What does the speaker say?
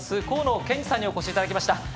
河野健児さんにお越しいただきました。